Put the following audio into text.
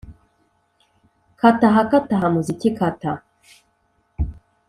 kata aha kata muziki kata